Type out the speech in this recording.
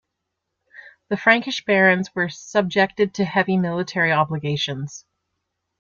The Frankish barons were subjected to heavy military obligations.